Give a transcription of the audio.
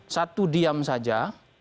satu diam saja